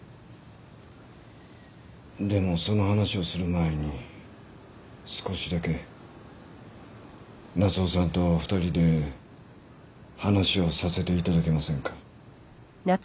でもその話をする前に少しだけ夏雄さんと２人で話をさせていただけませんか？